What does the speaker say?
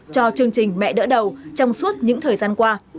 cho chương trình mẹ đỡ đầu trong suốt những thời gian qua